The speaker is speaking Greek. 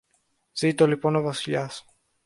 Ζήτω λοιπόν ο Βασιλιάς!